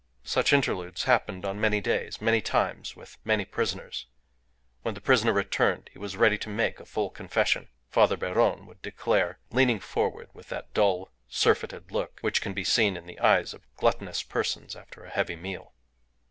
Such interludes happened on many days, many times, with many prisoners. When the prisoner returned he was ready to make a full confession, Father Beron would declare, leaning forward with that dull, surfeited look which can be seen in the eyes of gluttonous persons after a heavy meal.